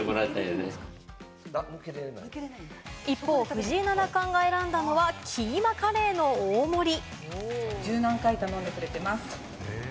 一方、藤井七冠が選んだのはキーマカレーの大盛り。